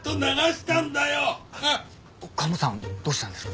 カモさんどうしたんですか？